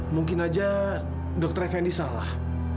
mungkin aja dokter efendi salah